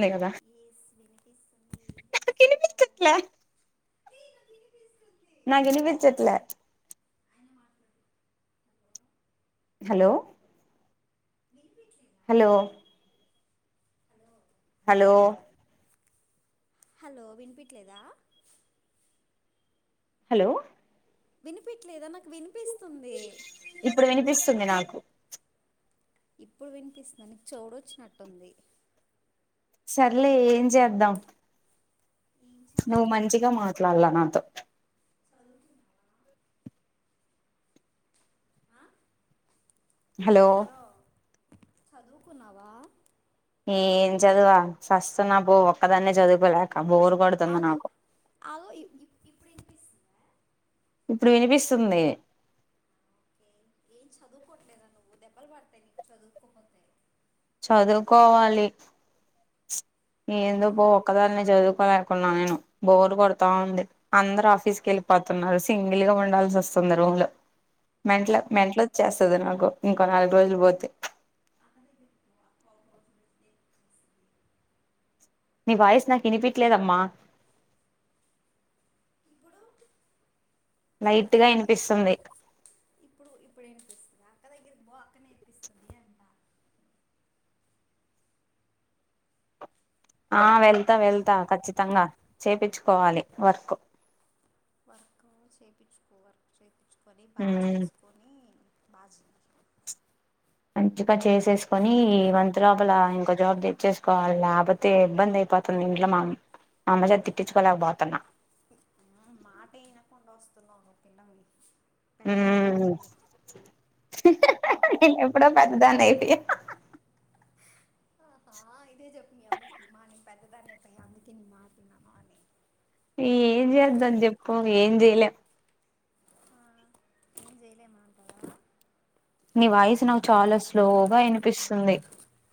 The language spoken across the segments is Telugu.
నే కదా ఎస్ వినిపిస్తుంది ఏం చేస్తున్నావు నాకీనిపించట్లే బ్రో నీకు వినిపిస్తుంది నా కినిపించట్లే ఆయన మాట్లాడు hello hello Deepi hello hello hello hello వినిపియట్లేదా హలో వీనిపియట్లేదా నా ఇప్పుడు వినిపిస్తుంది నాకు ఇప్పుడు వినిపిస్తుంద నీక్ చెవుడొచ్చినట్టుంది సర్లే ఏం చేద్దాం ఏం నువ్వు మంచిగా మాట్లాళ్ళే నాతో చదు ఆ? హలో చదువుకున్నావా ఏం చదువా సస్తున్నా పో ఒక్కదాన్నే చదువుకోలేక బోరు కొడుతుంది అగు నాకు అగు ఇ ఇప్పుడినిపిస్తుంది ఇప్పుడు వినిపిస్తుంది చదువుకివట్లేదా నువ్వు దెబ్బలు పడుతాయి నీకు చదువుకోపోతేా చదువుకోవాలి ఏందో ఈయనే పో చదివారు ఒక్కదన్నే చదువుకో కున్నా నేను బోర్ కొడుతా ఉంది అందరు ఆఫీస్కి వెళ్ళిపోతున్నారు సింగిల్ గా ఉండాల్సి వస్తుంది రూమ్ లో మెంట్ల మనం హిందీలో అయితే మెట్లోచ్చేస్తది నాకు ఇంకో నాలుగు రోజులు పోతే అ నీ వాయిస్ నాకు వినిపియట్లేదమ్మా ఇప్పుడు లైట్ గా వినిపిస్తుంది ఇప్పుడు ఇప్పుడు నేర్పిస్తుంది అక్క దగ్గర బా అక్క నేర్పిస్తుంది అంట ఆ వెళ్తా వెళ్తా ఖచ్చితంగా చేప్పిచ్చుకోవాలి వర్క్ వర్క్ చేప్పిచ్చుకో వర్క్ చేపిచ్ ని బా ఉమ్ చేసుకొని బజీ మంచిగా చేసేసుకొని ఈ మంత్ లోపల ఇంకో జాబ్ తెచ్చేసుకోవాలి లేపోతే ఇబ్బంది అయిపోతుంది ఇంట్లో మా మా అమ్మచేత తిట్టించుకోలేకపోతున్నా మాట వినకుండా వస్తున్నవు నువ్వు [unintelligible] పెద్దదాన్ని ఉమ్ అయిపోయావు నేను ఎప్పుడో పెద్దదాన్ని అయిపోయా ఆహా ఇదే చెప్పు మీ అమ్మకి మా నేను పెద్దదాన్ని అయిపోయా అందుకే నీ మాటిన మా అని ఏం చేద్దాం చెప్పు ఏం చెయలేం ఆ ఏం చేయలేమంటవా నీ వాయిస్ నాకు చాలా స్లోగా వినిపిస్తుంది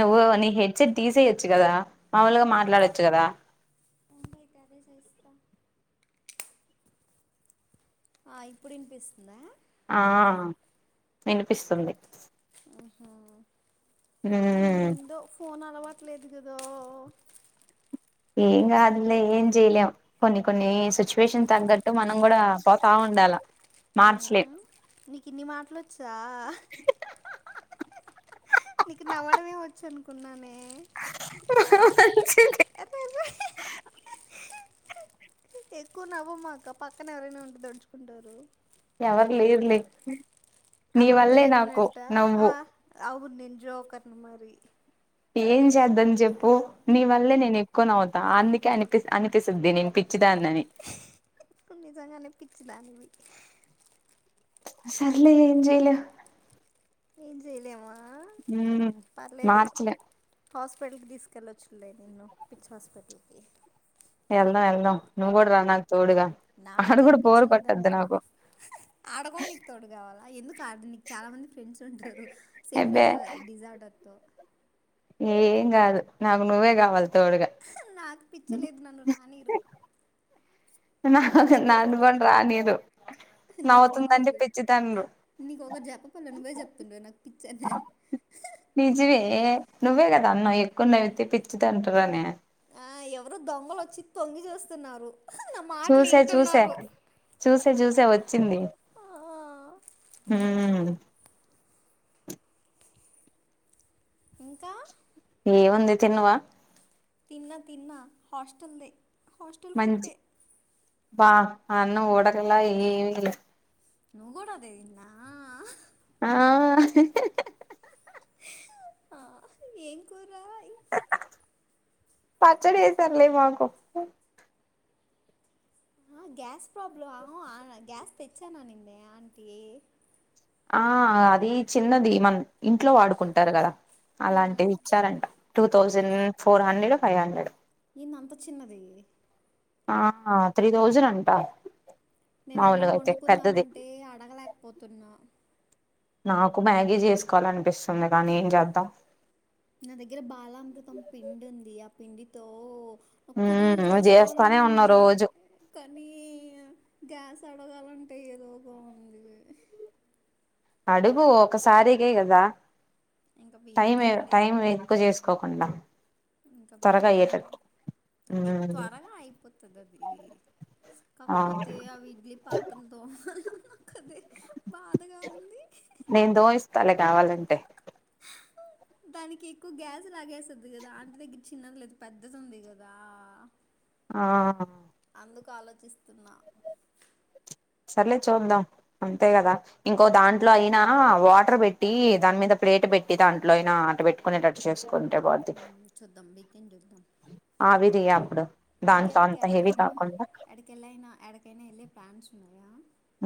నువ్వు నీ హెడ్సెట్ తీసేయొచ్చు కదా మాముూలుగా ఆఫ్ మాట్లాడచ్చు కదా [unintelligible] ఆ ఇప్పుడినిపిస్తుందా ఆ విని పిస్తుంది ఆహా ఏందో ఫోన్ అలవా లేదు కదా ఏం కాదులే ఏం చేయలేము కొన్ని కొన్ని సిచ్యువేషన్ తగ్గట్టు మనం కూడా పోతా ఉండాల మార్చలేం నీకిన్ని మాటలొచ్చా నీకు నవ్వడమే వచ్చు అనుకున్నానే చె అరే అరే ఎక్కువ నవ్వమాక పక్కన ఎవరైనా ఉంటె దడుచుకుంటారు ఎవరు లేరులే నీ అల్ల వల్లే పిల్లకి చెప్పినవా నాకు ఇట్ట ఆ నవ్వు అవును నే న్ జోకర్ ని మరి ఏం చేద్దాం చెప్పు నీవల్లే నేను ఎక్కువ నవ్వు అందుకే అనిపి అనిపిస్తది నేను పి నువ్వు నిజంగానే పిచ్చిదానివి సర్లే ఏం చేయలేం ఏం చేయలేం ఉమ్ మార్చలేం హాస్పిటల్కి తీసుకెల్లొచ్చు లే నిన్ను పిచ్చి హాస్పిటల్కి ఎల్దాం ఎల్దాం నాకేం బోరు కొట్టద్దు పిచ్చిలేదమ్మా నాకు ఆడకూడ నీకు తోడు కావాలా ఎందుకు అడ నీకు చాలా మంది ఫ్రెండ్స్ ఉంటారు సేమ్ అబ్బే డిజ డిసార్డర్ తో ఏం కాదు నాకు నువ్వే కావాలి తోడుగా నాకు పిచ్చిలేదు నన్ను రానీరు నాకు నన్ను కూడ రానీరు నీకు వుంది నవ్వుతుందంటే పిచ్చితండ్రు నీకు ఒకరు చేప్పకుండా నువ్వే చెప్పతుంటే నాకు పిచ్చనే నిజమే నువ్వే కదా అన్నావ్ ఎక్కువ నవ్వితే పిచ్చిది అంటారని ఆ ఎవరో దొంగలొచ్చి తొంగి చేస్తున్నారు చూశా చూశా చూశా చూశా వచ్చింది ఆ, ఉమ్ ఇంకా ఏముంది తిన్నావా తిన్నా తిన్నా హస్టల్ ది హాస్టల్ ఫుడ్ మంచి ఏ బా అన్నం ఉడకలా ఏమిలా నువ్వు కూడా అదే విన్నా ఆ ఏం కూర పచ్చడి ఏశార్లే మాకు ఆ గ్యాస్ ప్రాబ్లెమ్ ఆ గ్యాస్ తెచ్చాను అనిందే ఆంటీ ఆ అది చిన్నది మన ఇంట్లో వాడుకుంటారు కదా మ్మ్. అలాంటిది ఇచ్చారంట two thousand four hundred do five hundred ఏంది అంత చిన్నది ఆ త్రీ తౌజండ్ అంటా నేను ఏమన్నా వండుకుందాం అంటే అడగలేకపోతున్నా నాకు మ్యాగీ చేసుకోవాలి అనిపిస్తుంది కానీ ఏం చేద్దాం నా దగ్గర బాలామృతం పిండి ఉంది పిండితో కుడుములు మ్మ్ చేస్తానే చేసుకోవాలని ఉన్నా ఉంది రోజు కానీ గ్యాస్ అడగాలంటే ఏదో బాగుంది గాని అడుగు ఒకసారికే కదా ఇంకా టైం ఏ వీకెండే టైం ఎక్కువ చేసుకో కోకుండా ఇంకా వీకెండ్ ఏ మ్మ్ త్వరగా అయిపోతుంది అది ఆ కాకపోతే అవి ఇడ్లీ పాత్రలు తోమలా నా కదే నేను తోమి ఇస్తాలే కావాలంటే దానికి ఎక్కువ గ్యాస్ లాగేస్తది కదా ఆంటి దగ్గర చిన్నది లేదు పెద్దది ఉంది కదా ఆ ఎందుకు ఆలోచిస్తున్నా సర్లే చూద్దాం అంతే కదా ఇంకో దాంట్లో అయినా వాటర్ పెట్టి దాని మీద ప్లేట్ పెట్టి దాంట్లో అయినా అట పెట్టుకునేటట్టు చేస్కో చూద్దాం వీకెండ్ చూద్దాం ఆవిరి అప్పుడు దాంట్లో వీకెండ్ కి అంత హెవీ ఎడికైనా కాకుండా ఎడికిళ్ళైనా ఎడికైనా వెళ్ళే ప్లాన్స్ ఉన్నాయా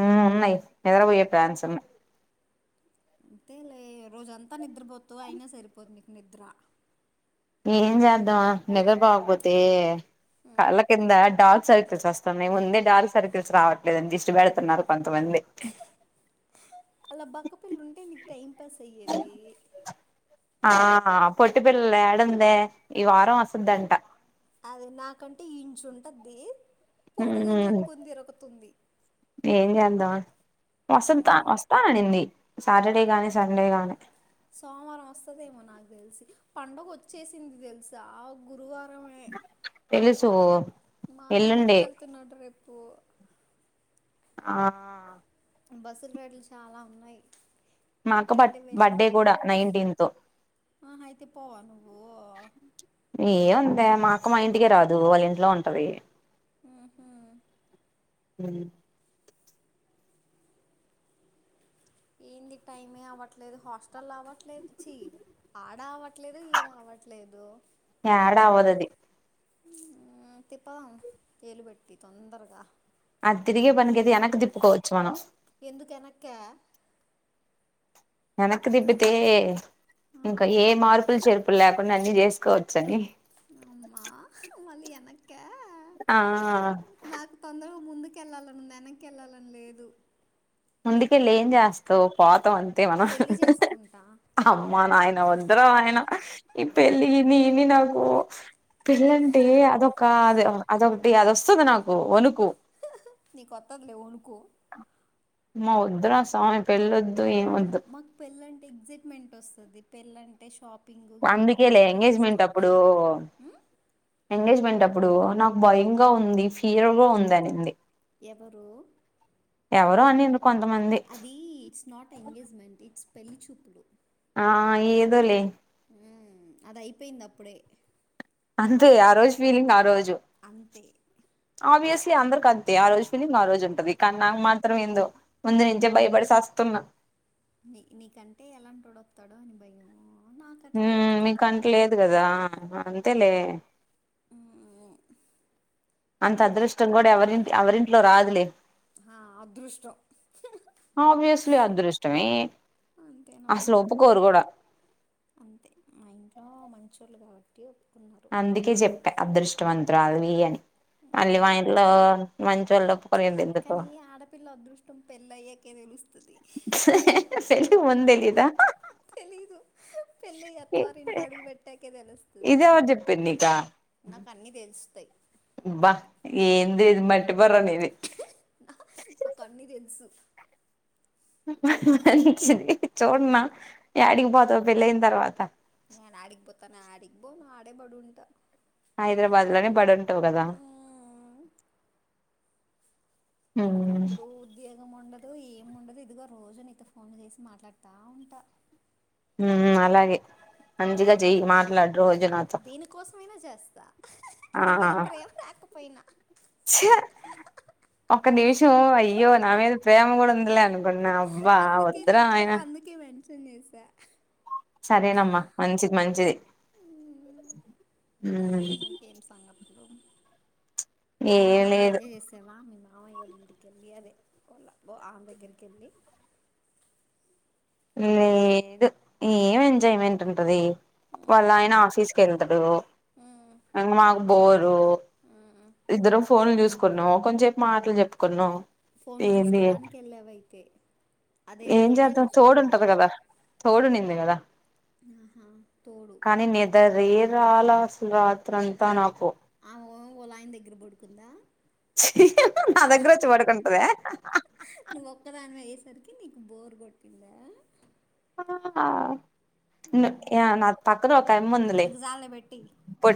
ఉమ్ ఉన్నాయి నిద్రపోయే ఫ్లాన్స్ ఉన్నాయి అంతే లే రోజూ అంతా నిద్రపోతవు అయినా సరిపోది నీకు నిద్ర ఏం చేద్దాం నిద్ర పోగపోతే కళ్ళ కింద డార్క్ సర్కిల్స్ వస్తున్నాయి ముంద డార్క్ సర్కిల్స్ తెలుసు రాట్లేదు దిష్టి పెడుతున్నారు కొ అలా బక్కపిిల్ల ఉంటే నీకు టైం పాస్ అయ్యేది ఆ పొట్టి పిల్ల ందే ఈ వారం వసద్దంట అదే నాకంటే ఇంచు ఉంటుది పొడుగని ఉమ్ చెప్పుకొని తిరుకుతుంది ఏం చేద్దామని వసంత వస్తా అనింది సాటర్డే కానీ సండే కానీ సోమవారం వస్తదేమో నాకు తెలిసి పంండగొచ్చేసింది తెలుసా ఆ గురువ తెలుసు ఎల్లుండి పో ఆ బస్సులు రేట్లు చాలా ఉన్నాయి మా అక్క బ రెండు వేలు బర్త్డే మూడు కూడా వేలు నైన్టీన్త్ అయితే పోవా నువ్వు అదే మా అక్కమ్ మా ఇంటికే రాదు వాళ్ళ ఇంట్లో ఉంటది హ్మ్మ్ హ్మ్మ్ ఏంది టైమే అవట్లేదు హాస్టల్ అవట్లేదు చి ఆడవ ట్లేదు ఈడ అవ్వట్లేదు అడి తిప్పదం ఏేలు పెెట్టి తొందరగా అది తిరిగే పని కది వెనక్కి దిప్పుకోవచ్చు మనం ఎందుక వెనక వెనకి తిబితే ఇంకా ఏ మార్పులు చెర్పులు లేకుండా అన్ని చేసుకోవచ్చ అని అమ్మ మళ్లీ వెనక్కి ఆ తొందరగా ముందుకెళ్ళాలని ఉంది వెనక్కి వెళ్ళాలని లేదు ముందు కెళ్ళి ఏం చేస్తావ్ పోత అంది అంతే మనం పెళ్ళి చేసుకుంటా అమ్మా నాయన వద్దర నాయన పెళ్ళి నీ ఇని నాకు పెళ్ళి అంటే అదొక అది అదొకటి అదిొస్తుంది నాకు వనుకు నీ కొత్తదిలే వనుకో అమ్మ వద్దురా సామీ పెళ్లి మాకు పెళ్ళ అంటే ఎగ్జైట్మెంట్ వస్తుది పెళ్ళంటే షాప్ అందుకేలే ఎంగేజ్మెంట్ అప్పుడు ఉమ్, ఎంగేజ్మెంట్ అప్పుడు ఇప్పుడు నాకు భయంగా ఉంది ఫీర్గా ఉంది అనింది ఎవరు ఎవరో అని అది ఇట్స్ నాట్ ఎంగేజ్మెంట్ ఇట్స్ పెళ్లి చూపులు ఆ ఏదోలే అది అయిపోయింది అప్పుడే అంతే ఆ రోజు ఫీలింగ్ ఆ రోజు అంతే ఓబెయేస్లీ అందరికి అంతే ఆ రోజు ఫీలింగ్ ఆ రోజు ఉంటది కానీ నాకు మాత్రం ఏందో ముందు నుంచే భయపడిసి సస్తున్నా అ మీక అంట లేదు కదా అంతే లే ఉ ఉ అంత అదృష్టం కూడా ఎవరింత ఎవరింట్లో రాదులే అదృష్టం ఆబ్వియస్లీ అదృష్టమే అంతేనమ్మ అసలు అంతే ఒప్పుకోరు కూడా అంతే మా ఇంట్లో మంచి కాబట్టి టి అందుకే చెప్ప అదృష్టం అంత బ్రాగులు అని మళ్ళీ మా మ్మ్. ఇంట్లో చల్లపు కానీ ఈ ఆడపిల్ల అదృష్టం పెళ్ళయ్యే క లి ముందెలిదా తెలీదు పెళ్ళి అత్తవారి ఇంట్లో అడుగు పెట్టాకే తెలుస్తుంది ఇది ఎవరు చేపిరు నీకు నాకు అన్నీ తెలుస్తాయి అబ్బా ఎంది ఇది మట్ ఒక అన్నీ తెలుసు ది చూడన్నా అడిగిపోతావ్ పెళ్ళనయినా తర్వాత నేన్ ఆడికి బతానా ఆడి అబ్బో నా ఆడేబడుంట హైదరాబాద్ లనే బడ కదా మ్మ్. ఉమ్ అప్పుడు ఉద్యోగం ఉండదు ఇ ఏండదు ఇదిగో రోజు నైతో ఫోన్ చేసి మాట్లాడుతా ఉంటా అలాగే మంచిగా జేయ్ మాట్లాడు రోజు నాతో దీనికోసమైనా జా స్త ఆ ఒక్క నిమిషం అయ్యో అన్ నా మీద ప్రేమ గుడుందిలే అను వున్నా అబ్బా వద్దురా ఆయన క్షన్ జెసా సరేనమ్మా మంచిది మంచిది ఉమ్ ఇంకేం సంగతులు? నిన్న ఏం బాగా లేదు ఎంజాయ్ చేసావా మిమ మామయ్యోలింటికెళ్ళి అదే కొళ బొ ఆమె దగ్గరికెళ్ళి లేదు ఏం ఎంజాయ్మెంట్ టుమ్తది వాళ్ళాయన ఆఫీస్ కెళ్తడు ఇంగ మాకు బోరు ఇద్దరం ఫోన్లు జూసుకున్నాం కొంచేపు మాటలు చెప్పుకున్నాం. ఫోన్లు ఏంది జూస్కోడానికి ఎళ్ళావయితే? అదేదో ఏం ఈడే చేద్దాం జూస్ తోడుంటది గదా ఓడుండిందిగదా ఆహా తోడు రాలా అసలు రాత్రంతా నాకు ఓమ వలాయిన్ దగ్గర పడుకుందా? నా దగ్గరొచ్చి పడుకుంటదే సరికి నీకు బోర్ గొట్టిందా? ఆ యా నాకు పక్కన ఒకాయమ్ముందిలే ఇంక జాలే పెట్టి పొట్